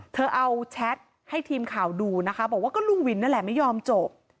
เธอเอาแชทให้ทีมข่าวดูนะคะบอกว่าก็ลุงวินนั่นแหละไม่ยอมจบ